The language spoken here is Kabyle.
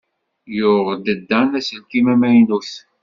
Yuɣ-d Dan aselkim amaynut.